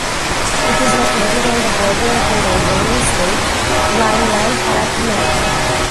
It is located on the border of the neighbouring state Rhineland-Palatinate.